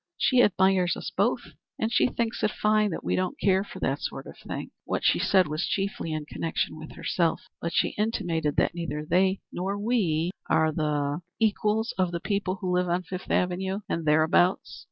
She admires us both and she thinks it fine that we don't care for that sort of thing. What she said was chiefly in connection with herself, but she intimated that neither they, nor we, are the er equals of the people who live on Fifth Avenue and thereabouts.